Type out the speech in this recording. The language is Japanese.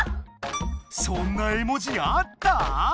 そんな絵文字あった？